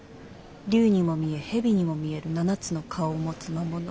竜にも見え蛇にも見える７つの顔を持つ魔物。